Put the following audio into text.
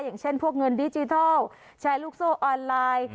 อย่างเช่นพวกเงินดิจิทัลแชร์ลูกโซ่ออนไลน์